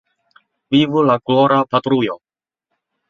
Vivu la glora patrujo!